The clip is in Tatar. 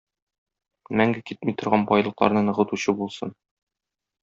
Мәңге китми торган байлыкларны ныгытучы булсын.